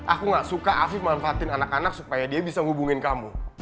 aku gak suka afif manfaatin anak anak supaya dia bisa hubungin kamu